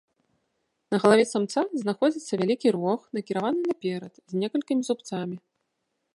На галаве самца знаходзіцца вялікі рог, накіраваны наперад, з некалькімі зубцамі.